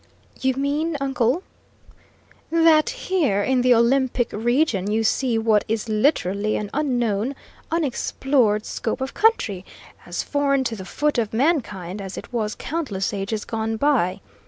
"You mean, uncle?" "That here in the Olympic region you see what is literally an unknown, unexplored scope of country, as foreign to the foot of mankind as it was countless ages gone by.